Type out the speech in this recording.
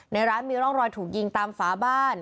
ในร้านมีร่องรอยถูกยิงตามฝาบ้าน